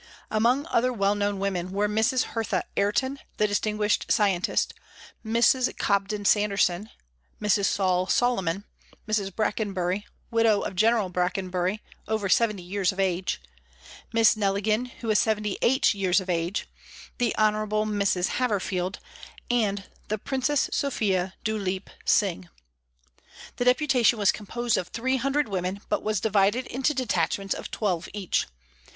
Among other well known women were Mrs. Hertha Ayrton, the distinguished scien tist, Mrs. Cobden Sanderson, Mrs. Saul Solomon, Mrs. Brackenbury, widow of General Brackenbury, over seventy years of age, Miss Neligan, who is seventy eight years of age, the Hon. Mrs. Haverfield, and the Princess Sophia Dhuleep Singh. The Deputa tion was composed of 300 women, but was divided into detachments of twelve each.